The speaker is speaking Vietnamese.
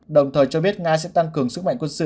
đồng thời cho biết nga sẽ tăng cường sức mạnh quân sự